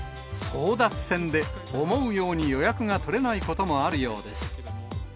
争奪戦で、思うように予約が取れないこともあるようです。